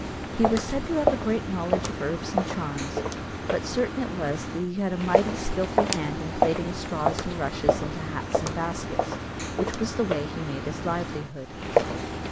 He was said to have a great knowledge of herbs and charms; but certain it was that he had a mighty skilful hand in plaiting straws and rushes into hats and baskets, which was the way he made his livelihood.